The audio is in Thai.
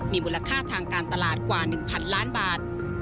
มีมูลค่าทางการตลาดกว่าหนึ่งพันล้านบาท